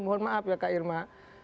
mohon maaf ya kak irma